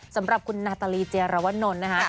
สำหรับคุณนาตาลีเจรวนลนะคะ